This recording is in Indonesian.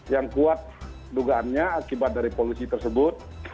yang kuat dugaannya akibat dari polusi tersebut